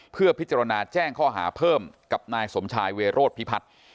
เพื่อพิจารณาแจ้งข้อหาเพิ่มกับนายสมชายเวโรธพิพัฒน์